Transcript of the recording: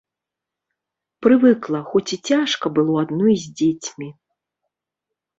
Прывыкла, хоць і цяжка было адной з дзецьмі.